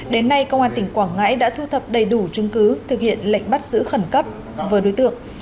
đến nay công an tỉnh quảng ngãi đã thu thập đầy đủ chứng cứ thực hiện lệnh bắt giữ khẩn cấp vừa đối tượng